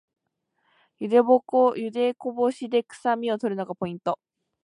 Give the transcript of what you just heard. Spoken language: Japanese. ゆでこぼしでくさみを取るのがポイント